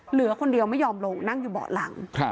เหลือคนเดียวไม่ยอมลงนั่งอยู่เบาะหลัง